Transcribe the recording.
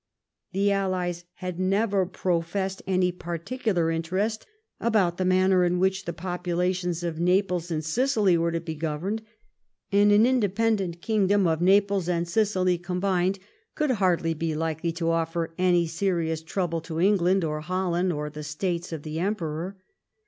The allies had never professed any particular interest about the manner in which the populations of Naples and Sicily were to be gov erned, and an independent kingdom of Naples and Sicily combined could hardly be likely to offer any serious trouble to England or Holland or the states of the Emperor.